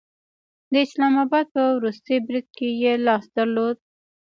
د اسلام آباد په وروستي برید کې یې لاس درلود